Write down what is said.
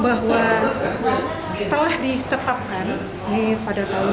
bahwa telah ditetapkan pada tahun dua ribu dua puluh